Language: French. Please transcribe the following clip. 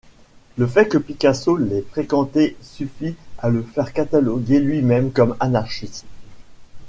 Le fait que Picasso l'ait fréquenté suffit à le faire cataloguer lui-même comme anarchiste.